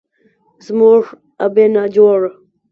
زموږ ابۍ ناجوړه